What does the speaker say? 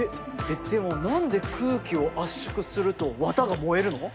でも何で空気を圧縮すると綿が燃えるの？